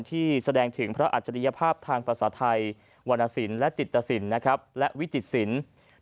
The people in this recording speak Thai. ที่แสดงถึงพระอัจฉริยภาพทางภาษาไทยวรรณสินและจิตสินและวิจิตศิลป์